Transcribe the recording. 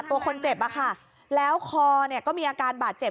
ตัวคนเจ็บอะค่ะแล้วคอเนี่ยก็มีอาการบาดเจ็บ